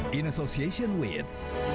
di asosiasi dengan